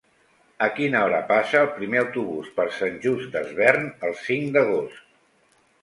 A quina hora passa el primer autobús per Sant Just Desvern el cinc d'agost?